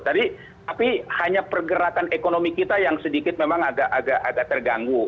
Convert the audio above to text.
tapi hanya pergerakan ekonomi kita yang sedikit memang agak terganggu